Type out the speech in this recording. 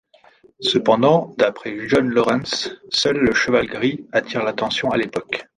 Cependant, d'après John Lawrence, seul le cheval gris attire l'attention à l'époque.